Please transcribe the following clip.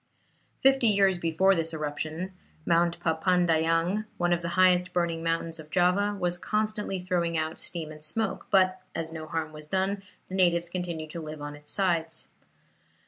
Fifty years before this eruption, Mount Papandayang, one of the highest burning mountains of Java, was constantly throwing out steam and smoke, but as no harm was done, the natives continued to live on its sides.